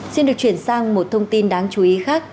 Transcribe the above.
xin được chuyển sang một thông tin đáng chú ý khác